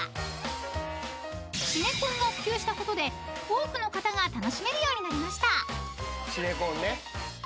［シネコンが普及したことで多くの方が楽しめるようになりました］